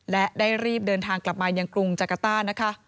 และได้รีบเดินทางกลับมายังกรุงจักรต้านะคะ